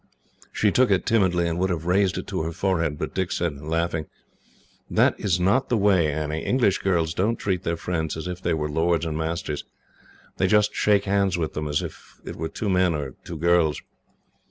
She took it timidly, and would have raised it to her forehead, but Dick said, laughing: "That is not the way, Annie. English girls don't treat their friends as if they were lords and masters. They just shake hands with them, as if it were two men, or two girls."